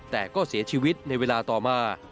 แต่ก็เสียชีวิตในเวลาต่อมา